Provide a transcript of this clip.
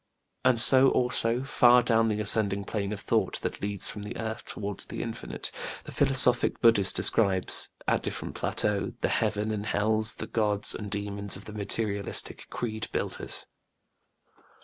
And so also, far down the ascending plane of thought that leads from the earth towards the Infinite, the philosophic BudĖĢdĖĢhist describes, at different plateaux, the heavens and hells, the gods and demons, of the materialistic creed builders.